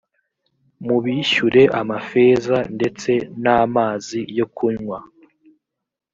mubishyure amafeza; ndetse n’amazi yo kunywa